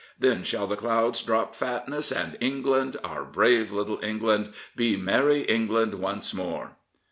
Then shall the clouds drop fatness, and England, our brave little England, be merry England once more."